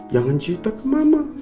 jangan cerita ke mama